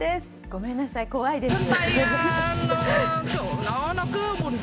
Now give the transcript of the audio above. ごめんなさい、怖いです。